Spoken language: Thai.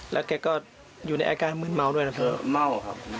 แล้วแกก็อยู่ในแอร์การมืนเมาด้วยนะเถอะ